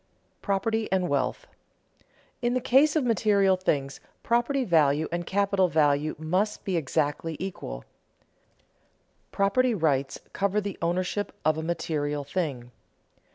[Sidenote: Property and wealth] In the case of material things, property value and capital value must be exactly equal. Property rights cover the ownership of a material thing.